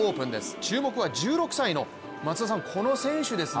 注目は１６歳のこの選手ですね。